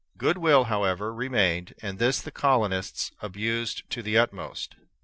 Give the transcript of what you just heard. Good will, however, remained, and this the colonists abused to the utmost.